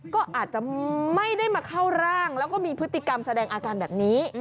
ก็อาจจะไม่ได้มาเข้าร่างแล้วก็มีพฤติกรรมแสดงอาการแบบนี้